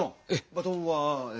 バトンはえ。